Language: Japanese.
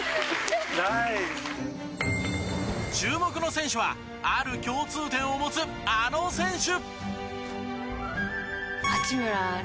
注目の選手はある共通点を持つあの選手。